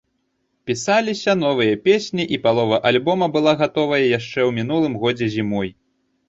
Пісаліся новыя песні, і палова альбома была гатовая яшчэ ў мінулым годзе зімой.